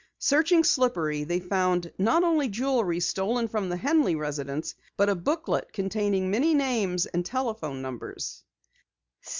Searching Slippery they found, not only jewelry stolen from the Henley residence, but a booklet containing many names and telephone numbers.